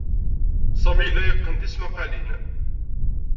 Sami yella yeqqen tismaqalin.